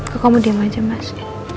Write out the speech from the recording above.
kok kamu diam aja mas